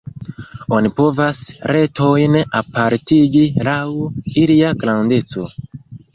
Oni povas retojn apartigi laŭ ilia grandeco.